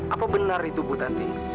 apa benar itu bu tanti